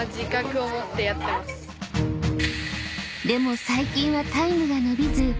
［でも最近はタイムが伸びず］